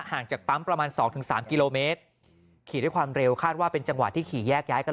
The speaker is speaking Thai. จากปั๊มประมาณสองถึงสามกิโลเมตรขี่ด้วยความเร็วคาดว่าเป็นจังหวะที่ขี่แยกย้ายกัน